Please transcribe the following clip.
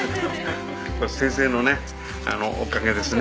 先生のねおかげですね。